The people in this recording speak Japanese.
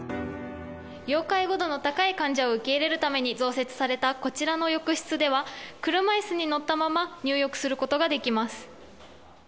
要介護度の高い患者を受け入れるために増設されたこちらの浴室では、車いすに乗ったまま入浴することができます。